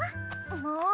もう！